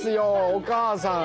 おばさん！